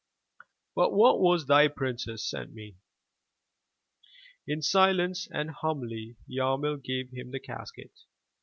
"But what has thy princess sent me?" In silence and humbly, Yarmil gave him the casket.